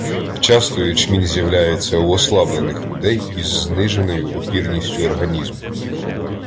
Часто ячмінь з'являється у ослаблених людей із зниженою опірністю організму.